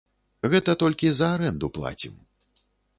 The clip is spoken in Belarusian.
Гэта толькі за арэнду плацім.